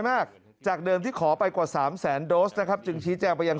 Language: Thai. มากจากเดิมที่ขอไปกว่า๓แสนโดสนะครับจึงชี้แจงไปยัง